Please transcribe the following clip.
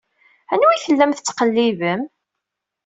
Anwa i tellam tettqellibem?